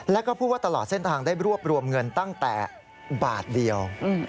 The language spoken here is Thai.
แล้วก็พูดว่าตลอดเส้นทางได้รวบรวมเงินตั้งแต่บาทเดียว